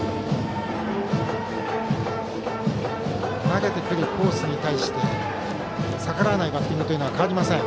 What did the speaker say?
投げてくるコースに対して逆らわないバッティングは変わりません。